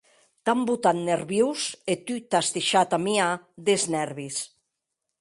T’an botat nerviós e tu t’as deishat amiar des nèrvis.